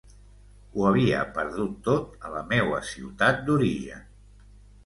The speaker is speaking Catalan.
Ho havia perdut tot a la meua ciutat d'origen.